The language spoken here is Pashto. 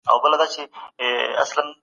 سوسیالیزم د خلګو د تشویق مخه نیسي.